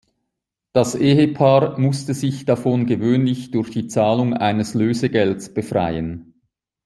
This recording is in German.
Das Ehepaar musste sich davon gewöhnlich durch die Zahlung eines Lösegelds befreien.